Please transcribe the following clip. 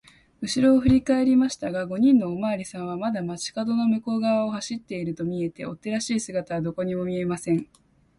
うしろをふりかえりましたが、五人のおまわりさんはまだ町かどの向こうがわを走っているとみえて、追っ手らしい姿はどこにも見えません。